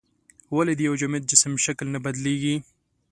ولې د یو جامد جسم شکل نه بدلیږي؟